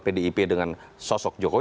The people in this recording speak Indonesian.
pdip dengan sosok jokowi